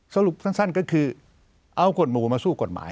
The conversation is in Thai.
สรุปสั้นก็คือเอากฎหมู่มาสู้กฎหมาย